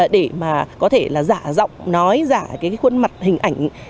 để mà có thể là giả giọng nói giả cái khuôn mặt hình ảnh